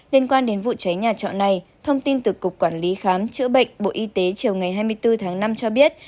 liên quan đến vụ cháy nhà trọ này thông tin từ cục quản lý khám chữa bệnh bộ y tế chiều ngày hai mươi bốn tháng năm cho biết